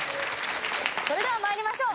それでは参りましょう。